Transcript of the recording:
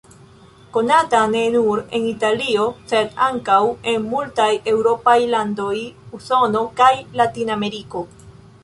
Konata ne nur en Italio sed ankaŭ en multaj eŭropaj landoj, Usono kaj Latinameriko.